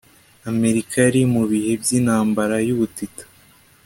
america yari mu bihe by'intambara y'ubutita